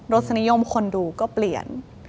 รสนิยมคนดูก็เปลี่ยน